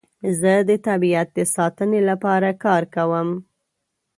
زه د طبیعت د ساتنې لپاره کار کوم.